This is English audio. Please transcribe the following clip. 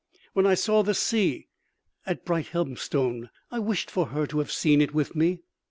When I saw the sea at Brighthelmstone, I wished for her to have seen it with me.